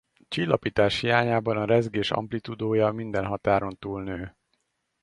Csillapítás hiányában a rezgés amplitúdója minden határon túl nő.